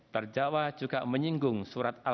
kepada masyarakat kebeloan seribu